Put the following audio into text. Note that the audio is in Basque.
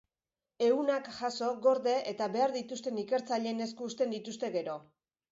Ehunak jaso, gorde eta behar dituzten ikertzaileen esku uzten dituzte gero.